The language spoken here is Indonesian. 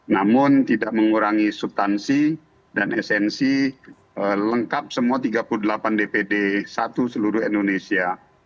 namun tidak mengurangi subtansi dan esensi lengkap semua tiga puluh delapan dpd satu seluruh indonesia